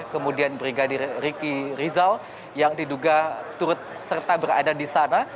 kemudian brigadir riki rizal yang diduga turut serta berada di sana